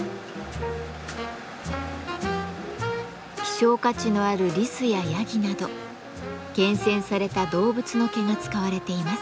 希少価値のあるリスやヤギなど厳選された動物の毛が使われています。